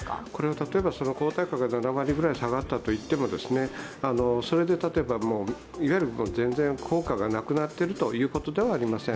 例えば抗体かが７割くらいに下がったといってもそれで例えば、全然効果がなくなっているということではありません。